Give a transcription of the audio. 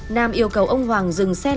nam yêu cầu ông hoàng đi đến khu vực vắng vẻ